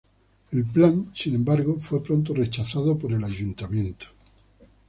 El plan sin embargo fue pronto rechazado por el Ayuntamiento.